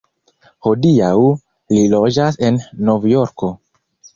Hodiaŭ li loĝas en Novjorko.